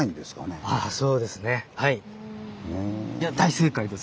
いや大正解です。